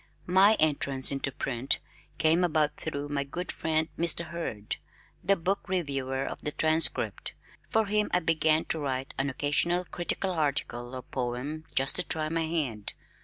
My entrance into print came about through my good friend, Mr. Hurd, the book reviewer of the Transcript. For him I began to write an occasional critical article or poem just to try my hand.